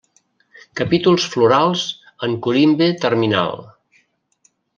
Capítols florals en corimbe terminal.